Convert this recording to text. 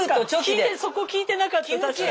聞いてそこ聞いてなかった確かに。